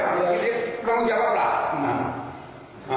ya ya ya kita tanggung jawab lah